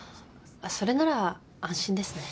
それなら安心ですね。